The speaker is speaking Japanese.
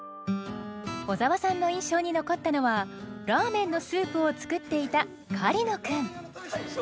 小沢さんの印象に残ったのはラーメンのスープを作っていた狩野君。